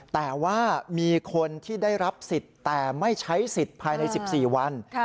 แต่ว่ามีคนที่ได้รับสิทธิ์แต่ไม่ใช้สิทธิ์ภายใน๑๔วัน